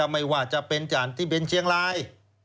ไม่ว่าจะเป็นจ่านที่บินเชียงราย